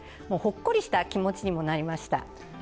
ほっこりした気持ちにもなりました。